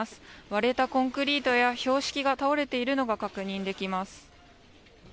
割れたコンクリートや標識が倒れているのが確認できます。